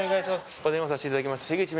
お電話させていただきました